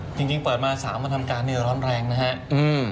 จริงเปิดมา๓วันทำการเนี่ยร้อนแรงนะครับ